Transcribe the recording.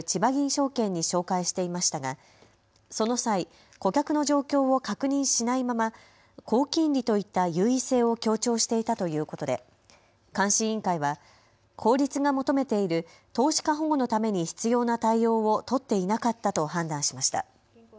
証券に紹介していましたがその際、顧客の状況を確認しないまま、高金利といった優位性を強調していたということで監視委員会は法律が求めている投資家保護のために必要な対応を取っていなかったと判断しました。